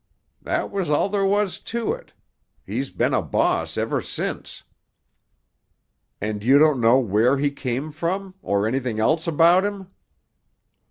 That was all there was to it; he's been a boss ever since." "And you don't know where he came from? Or anything else about him?"